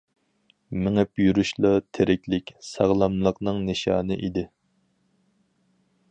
مېڭىپ يۈرۈشلا تىرىكلىك، ساغلاملىقنىڭ نىشانى ئىدى.